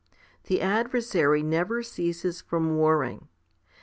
The adversary never ceases from warring.